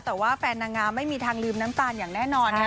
แต่ว่าแฟนนางงามไม่มีทางลืมน้ำตาลอย่างแน่นอนนะคะ